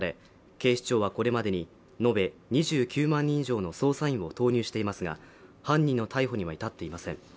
警視庁はこれまでに延べ２９万人以上の捜査員を投入していますが犯人の逮捕には至っていません